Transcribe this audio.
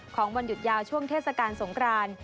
วันหยุดยาวช่วงเทศกาลสงคราน